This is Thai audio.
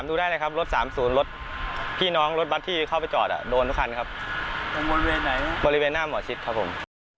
คือจุดที่เขาจอดยืนยันว่าจอดได้จริง